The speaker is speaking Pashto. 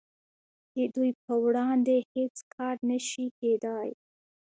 د دوی په وړاندې هیڅ کار نشي کیدای